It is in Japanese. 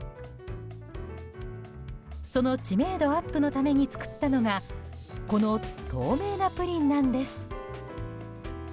その知名度アップのために作ったのがこの透明なプリンなんです。